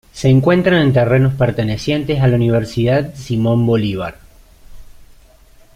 Se encuentra en terrenos pertenecientes a la Universidad Simón Bolívar.